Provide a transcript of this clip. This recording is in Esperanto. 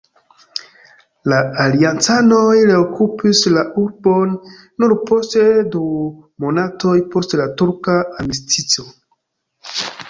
La aliancanoj reokupis la urbon nur post du monatoj, post la turka armistico.